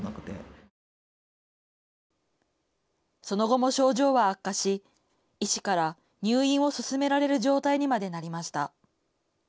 その後も症状は悪化し医師から入院を勧められる状態にまでなりました。